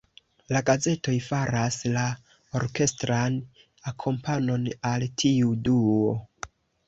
La gazetoj faras la orkestran akompanon al tiu duo.